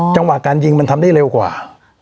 จังหวะการยิงมันทำได้เร็วกว่า